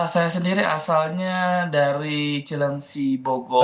saya sendiri asalnya dari cilengsi bogor